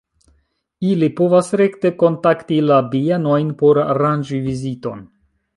Ili povas rekte kontakti la bienojn por aranĝi viziton.